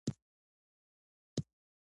هغوی د سړک پر غاړه د موزون خوب ننداره وکړه.